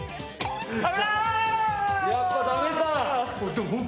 やっぱダメだ！